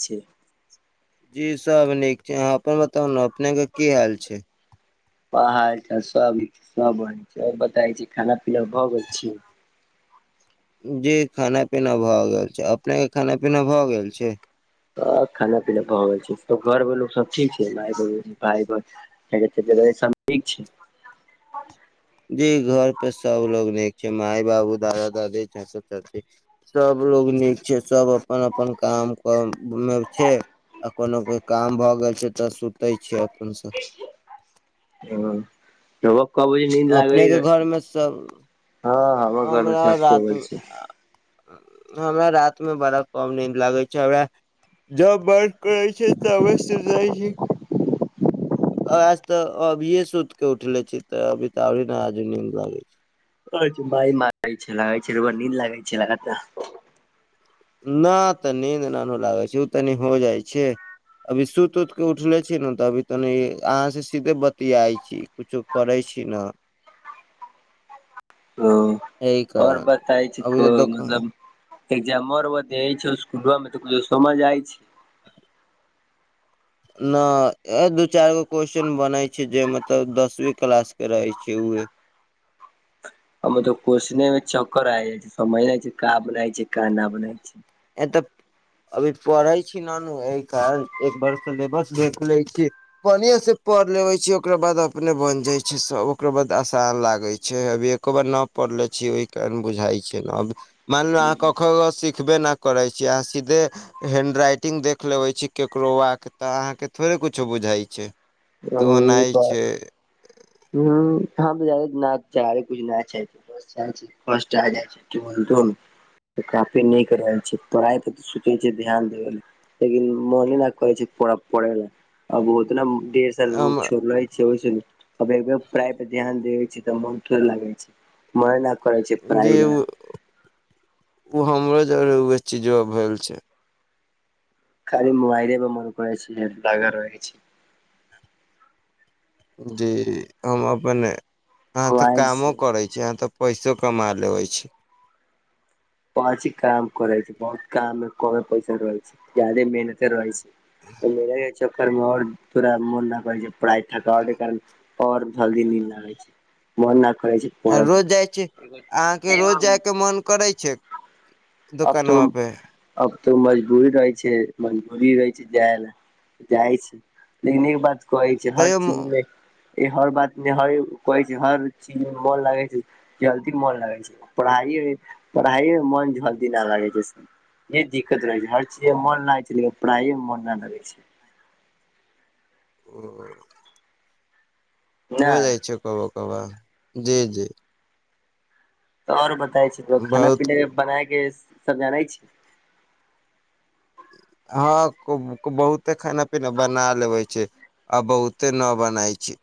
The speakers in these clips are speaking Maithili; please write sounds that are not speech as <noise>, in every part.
छै जी सब नीक छै अहाँ अपन बताउ ने अपने के की हाल छै पहाड़ सब निक छै स बढिया छै आ ओर बतबछी खाना पीना भ गेल छी जी खाना पीना भए गेल छै अपने के खाना पीना भए गेल छै ह खाना पीना भऽ रहल छै त घर व लोको सब ठीक छै मााय बहण भाई सब ठीक छै जी घर पे सबलोग नीक छै माय बाबू दादा दादी चाचा चाची सब लोग नीक छै सब अपन अपन अपन काम मे छै आ कोनो कोइ काम भए गेल छै तऽ तै छै अपन सब ह काबूज नीद लागै अपने के घर रहै मे सब हँ ह व गर हमरा सा सोइ रात मे छै हमरा रातिमे बड़ा कम नीद लागैत छै हमरा जब बर् करै छै तबे सर जाइ छै आज ते अभीे सुति के उठले छी ते अभी त अी नयाजू न लगे छै भाय मारै छै लाग छै र नीन्द लागै छै लग न तऽ नीन्द नहिन लागै छै ओ तनी हो जाइ छै अभी सुत उत के उठले छी ने तऽ अी तनी अहाँ से सीधे बतियाइ छी कुछो करै छी न <unintelligible> ओ एहि आ ओर कारण बताई छी अभी को तऽ दोकान मतलब एकजाम मरब छै स्कूल मे त को समझ आइ छै न ए दू चारि गो क्वेश्चन बनै छै जे मतलब दसवी क्लास के रहे छै उह हम त कोषने मे चक्कर आ जाइ छै समझना छै का बनाै छै का न बनाय छै ए तऽ अभी पढ़ै छी न नू एहि कारण एक बार सिलेबस देख लइ छि बढ़आ से पढ़ लेबे छै ओकरा बाद अपने बन जाइ छै सब ओकरा बाद आसान लागे छै अभी एक बार न पढ़ले छी ओहि कारण बुझाइ छै मान ल अहाँ कखग सिखबे ने करै छी अहाँ सीधे हैंडराइटिंग देख लेबैत छी ककरो आ तऽ अहाँके थोड़े किछो बुझाइत छै ह तऽ ई ओनाइ बात छै ह हँ <unintelligible> ने कुछ नहि अच्छा कष्ट आजाए <unintelligible> तऽ काफी नीक रहै छै पढ़ाइ पर तऽ सोचै छै ध्यान देबै ल लेकिन मने न करै छै प पढ़े आब ओतना हम छोड़े छै ओयसे नीक प्राय पर ध्यान देे छै तऽ मन थोड़े लागै छै मना करै छै पढ़ाइ जे ला ओ हमरो जर उ चीजो जोव भेल छै खाली मुबाइल देब मन करै छै लागा रहय छै जी हम अपन आहा ते मोबाइल कामो से करे छी जहाँ तऽ पैसो कमा लेबै छै पाँची काम करै छै बहुत काममे कमे पैसा रहै छै ज्यादे मेहनते रहै छै <unintelligible> चक्कर में और पूरा मोन न करै छै पाइ थकावट के कारण और जल्दी नींद लागे छै मोना करै छै आ पढ़े रोज जाइ छी अहाँके रोज जायके मन करै छै अब तो दोकानवा पे अब तो मजबूरी रहै छै मजबूरी रहै छै जाय ल जाइ छै लेकिन एक बात कहै छै हर तैयो चीजमे हर बात मे ह कहै छै हर चीज मे मन लागे छै जल्दी मन लागे छै पढ़ाइ पढ़ाइ मन झलदी न लागै छै ह दिक्कत रह छै हर चीज मन नहि छै लेक पढ़ाइ मे मोन न लगे छै <unintelligible> न हो जाइ छै <unintelligible> जी जी तऽ आओर बताय छै खाना बहुत पीना के बना के सब जानै छै हँ बहुते खाना पीना बना लेबे छै आ बहुते न बनाय छी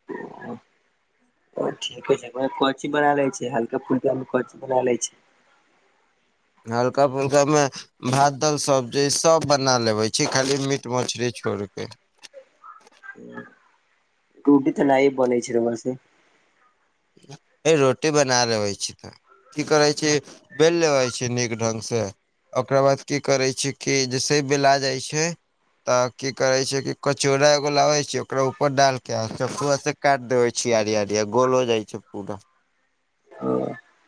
<unintelligible> ओ ठीके छै कोन चिज़ बना ले छै हल्का फुलका मे कोन चिज़ बना ले छै हल्का फुल्का मे भात दालि सब्जी सभ बना लेबै छी खाली मीट मछली छोड़ क रूटी तऽ नहि बने छै हमरा से अ रोटी बना रहलै छी तऽ की करै छै बेल लेबै छै नीक ढंग से ओकरा बाद की करै छै कि जैसे बला जाइ छै तऽ की करै छै कि कचौड़ा एगो लाबै छै ओकरा ऊपर डालके आ काटि देबै छियै हालि हालि आ गोलो जाइ छै पूरा ह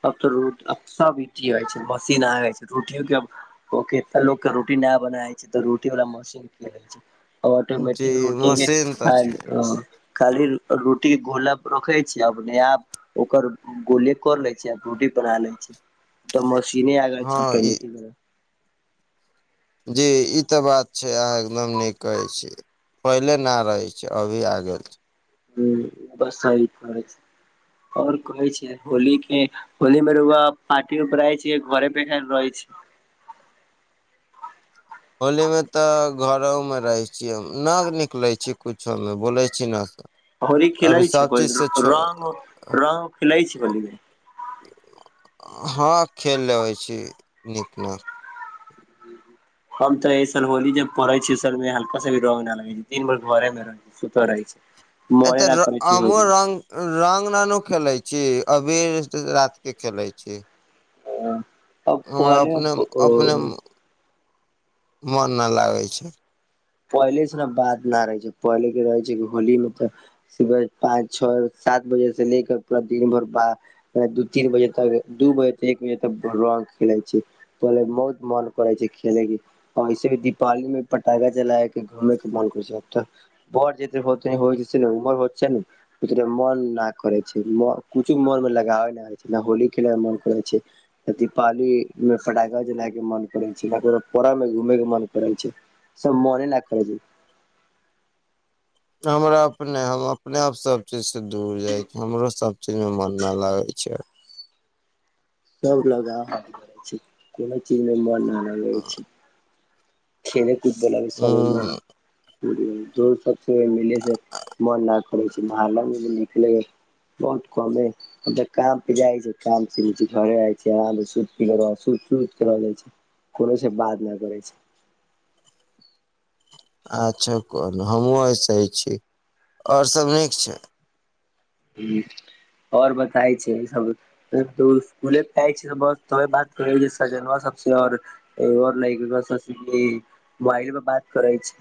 अब तऽ रूट सब ईटी होइ छै मसीन आ जाय छै रूट ओ केता लोकके रोटी न बनाै छै तऽ रोटी वाला मशीन छै जी ऑटोमैटिक रोटी के मशीन तऽ खाय छै खाली रोटी घोला पर रखै छै अपने आप ओकर गोल कर ले छै रोटी बना ले छै तऽ मशीने आ गेल हँ छै ई जी ई तऽ बात छै अहाँ एकदम नीक कहे छी पहिले न रहे छै अभी आ गेल छै ह बस सही कह छै आओर कहै छै होली के होल मेरु पारटीपय छै घर बर रहै छै <inaudible> होलीमे तऽ घरोमे रहैत छियै न निकलैत छीै कछोमे बोलै छी ने सभ होली खिलै छियै रंग रंग खिलै छै होली में हँ खेल लेबै छी नीक नाक हम तऽ ऐसन होली जे परै छियै उस मे हल्का भी रंग न लगे छै दिन भर घरे मे रहै छियै सुतल रहै छियै एतऽ हमो रंग रंग ननू खेलै छी अबीर रात के खेलै छी अब हमरा अपनेम अपने पहले मे मोन नहि लागै छै पहिलेसँ ने बात नहि रहै छै पहिले के रहै छै होली मे तऽ सुबह पाँच छओ सात बजे से लेेक पूरा दिन भर बा दू तीन बजे तक दू बजे तक एक बजे तक रंग खेलैत छी पहिले बहुत मन करै छै खेलै के आर ऐसे भी दीपावली मे पटाखा ल घुमे के मन करै छै <unintelligible> मन नहि करै छै कुछो मन मे लगाबै नहि करे छै होली खेलै मे मन करै छै दीपावाली मे फटाका जलाय के मन करे छै पोरा मे घूमे के मन करे छै सब मोने नहि करे छै हमरा अपने हम अपने आप सब चीज से दूर जाय छी हमरो सब चीज मे मन न लागे छै सब लगावै छै कोनो चीज मे मन नहि लगै छै खेल कुद सब हूं नहि दोस्त सब से मिले से मन नहि करै छै मोहल्ला मे भी निकले बहुत कमे हम तऽ काम पे जाइ छै काम घरे आय छै आराम से सूति पि रह सुति के रहे कोनो से बात न करे छै अच्छा कोनो हमहुँ एहि सही छी आओर सभ नीक छै आओर बताय छै सब स्कुले पे आय छै बस तोे बात करै छियै सजनवा सबस आऔर मोबाइले पर बात करै छी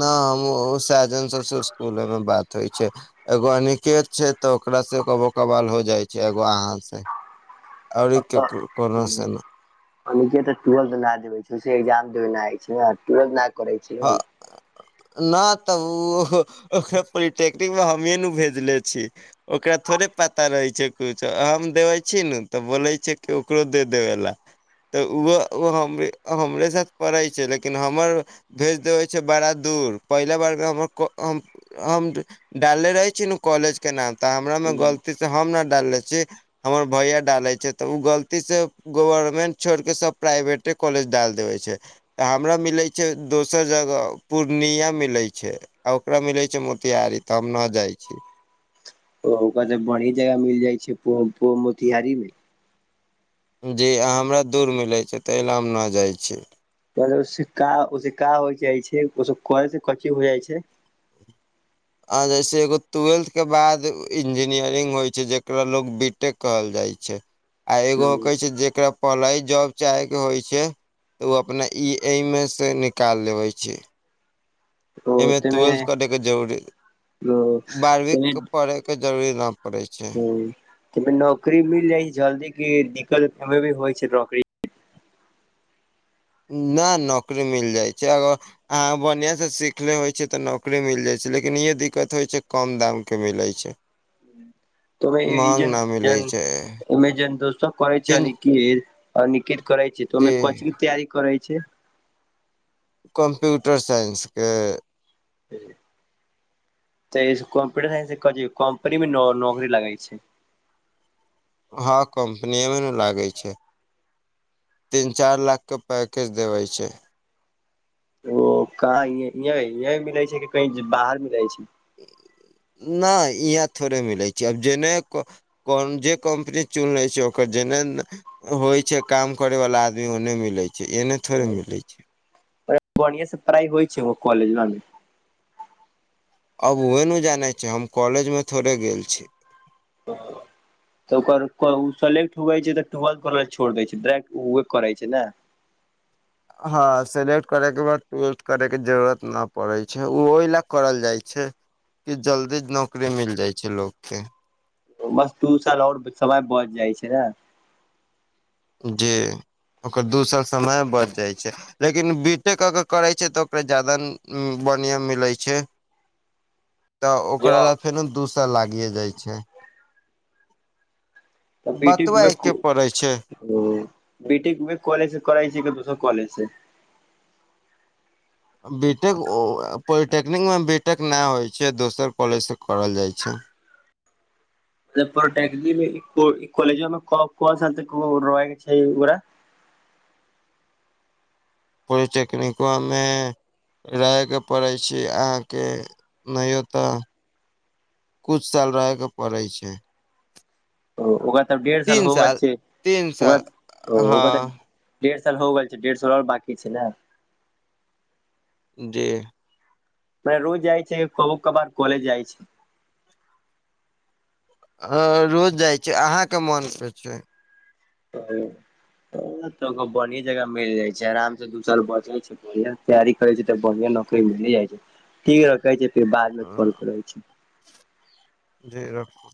न हम साजन सबसे स्कुले मे बात होइ छै एगो अनिकेत छै तऽ ओकरास से कबोकबाल हो जाइ छै एगो अहाँ से आओर अतऽ केकरो कोना से ने अनिकेत ट्वेल्थ नहि देबे छैे एक्जाम देबे नहि जाय छै ट्वेल्थ नहि करै छै ह न तऽ ओ पोलिटेक्निक मे हमहि ने भेजले छी ओकरा थोड़े पता रहै छै किछु हम देबै छी ने तऽ बोलै छै कि ओकरो दे देबै ले तऽ ओहो ओ हमरे हमरे साथ पढ़ै छै लेकिन हमर भेज देबै छै बड़ा दूर पहिला बारमे हमर कऽ हम हम डालले रहै छी नू कॉलेज के नाम तऽ हमरा मे हम। गलती सँ हम नहि डालले छी हमर भैया डालै छै तऽ ओ गलती से गवर्मेन्ट छोड़के सब प्राइवेटे कॉलेज डाल देबै छै तऽ हमरा मिलै छै दोसर जगह पूर्णिया मिलै छै आ ओकरा मिलै छै मोतिहारी तऽ हम नऽ जाइ छियै ओ ओकर तऽ बढ़ी जगह मिल जाइ छै मोतिहारी मे जी आ हमरा दूर मिलै छै तहि ला हम नहि जाइ छियै पहले ओ सिक्का <unintelligible> हो जाइ छै ओस कर से कची हो जाइ छै। आ जइसे एगो टुवेल्थ के बाद इंजीनियरिंग होइ छै जकरा लोक बी टेक कहल जाइ छै आ एगो हूं कहै छै जेकरा पहलही जॉब चाहे के होइ छै तऽ ओ अपना ई एहिमे सँ निकाल लेबै छै ओ एहिमे तमे ट्वेल्थ करे के जरूरी बारहवीं तमे के पढ़े के जरूरी न पड़ै छै नौकरी मिल जाइ छै जल्दी क दिक्कत भी होइ छै नौकरी न नौकरी मिल जाइ छै अगर अहाँ बढ़िया सँ सीखनेे होइ छियै तऽ नौकरी मिल जाइ छै लेकिन इहे दिक्कत होइ छै कम दामके मिलै छै <inaudible> त महंग न मिलै छै ईमेजन <unintelligible> दोस्त कहै छै तीन न कि अ निकित करे छै तऽ जी ओहिमे कोचि के तैयारी करै छै। कम्प्यूटर साइंसके त कंप्यूटर साइंस सँ क लियो कम्पनी मे नौकरी लगै छै हँ कम्पनीे मे ने लागै छै तीन चारि लाखके पैकेज देबै छै ओ कह य यह मिलै छै कि कही बाहर मिलै छै नहि इहाँ थोड़े मिलै छै आब जेने कोन जे कम्पनी चुन ले छै ओकर जेना होइ छै काम करे वाला आदमी ओने मिलै छै एने थोड़े छै मिलै छै बढ़िया से पढ़ाई होइ छै कॉलेज लंग अब ओहे नहि जानै छै हम कॉलेज मे थोड़े गेल छी ह <inaudible> तऽ ओकर सेलेक्ट हुए छै त टुवेल्थ करके छोड़ दै छै डायरेक्ट उ करै छै ने हँ सेलेक्ट करयके बाद ट्वेल्थ करयके जरूरत नहि पड़ैत छै ओ ओहि लए करल जाइत छै कि जल्दी नौकरी मिल जाइ छै लोकके बस दू साल आओर समय बच जाइ छै ने जे ओकर दोसर समय बच जाए छै लेकिन बीटेक अगर करै छै त ओकरा ज्यादा बढ़िया मिले छै ह <inaudible> त ओकरा ल फेर न दू साल लागिए जाइ छै तऽ पी टी बतबा बु एके पड़ै छै <inaudible> ओ बीटेक उहे कॉलेज स करइ छै की दूसर कॉलेज सँ बी टेक ओ पॉलिटेक्निक मे बी टेक नहि होइ छै दोसर कॉलेजसँ करल जाय छै पोलोटेक्निक कलजमेमे कोन सााल त रहैके छै ओकरा पोलटेक्निकबा मे रहैके पड़ै छै अहाँके नहियो त कुछ साल रहके पड़ै छै ओ ओकरा तब डेढ़ साल तीन हो गेल छै तीन ओकरा साल ओ ओकरा तऽ हँ डेढ़ साल हो गेल छै डेढ़ साल ओर बाकी छै ने जे मने रोज जाइ छै ओकर बाद कॉलेज जाइ छै हँ रोज जाए छै अहाँके मन सँ छै तऽ बढ़िं जगह मिल जाइ छै आराम से दू साल बचै छै बढ़िया तैयारी करै छै तऽ बढ़िआ नौकरी मिल जाइ छै ठीक रखे छै फेर बाद मे कॉल करै छै जी रखू